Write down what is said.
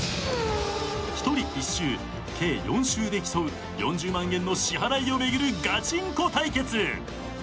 ［１人１周計４周で競う４０万円の支払いを巡るガチンコ対決］